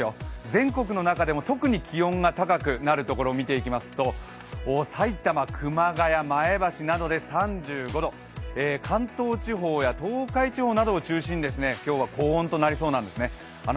全国の中でも特に気温が高くなるところを見ていきますと埼玉・熊谷、前橋などで３５度、関東地方や東海地方などを中心に今日は高温となりそうなんですね。